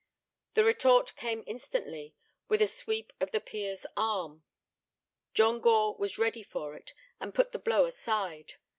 The retort came instantly with a sweep of the peer's arm. John Gore was ready for it, and put the blow aside.